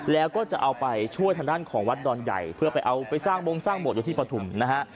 แล้วก็จะเอาไปช่วยทางด้านของวัดดอนใหญ่เพื่อไปเอาไปสร้างบงสร้างบทอยู่ที่ปฐุมนะฮะ